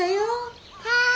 はい！